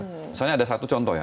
misalnya ada satu contoh ya